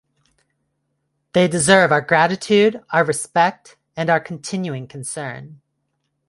They deserve our gratitude, our respect, and our continuing concern.